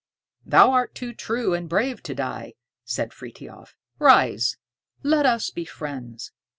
"Thou art too true and brave to die," said Frithiof. "Rise, let us be friends."